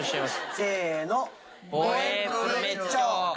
せの！